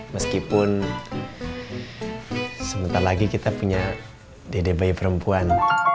meskipun sebentar lagi kita punya dede bayi perempuan